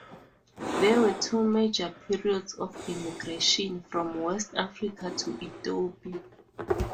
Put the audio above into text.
There were two major periods of immigration from West Africa to Ethiopia.